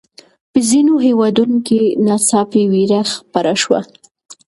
په ځینو هېوادونو کې ناڅاپي ویره خپره شوه.